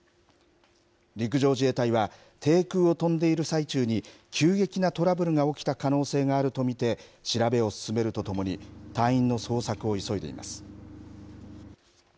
陸上自衛隊は、低空を飛んでいる最中に急激なトラブルが起きた可能性があると見て、調べを進めるとともに、隊員の捜索を急いでいます。